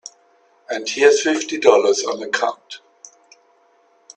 And here's fifty dollars on account.